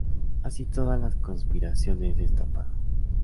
Así toda la conspiración es destapada